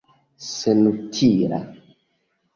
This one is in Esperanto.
senutila